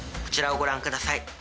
こちらをご覧ください。